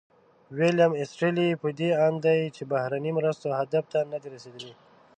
ویلیم ایسټیرلي په دې اند دی چې بهرنیو مرستو هدف ته نه دي رسیدلي.